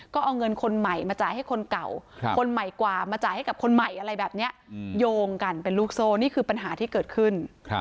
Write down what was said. ก็เอาเงินคนใหม่มาจ่ายให้คนเก่าคนใหม่กว่ามาจ่ายให้กับคนใหม่อะไรแบบนี้โยงกันเป็นลูกโซ่นี่คือปัญหาที่เกิดขึ้น